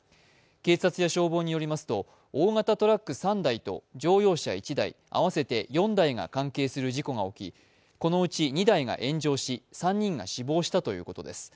警察や消防によりますと大型トラック３台と乗用車１台、合わせて４台が関係する事故が起きこのうち２台が炎上し３人が死亡したということです。